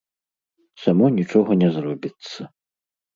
Само нічога не зробіцца.